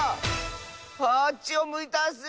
あっちをむいたッス！